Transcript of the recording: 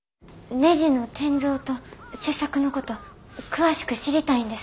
ねじの転造と切削のこと詳しく知りたいんです。